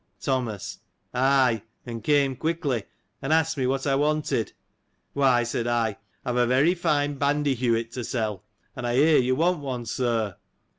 Thomas.— Aj, and came quickly, and asked me what I want ed. Why, said I, I've a very fine bandyhewit to sell ; and I hear you want one, Sir.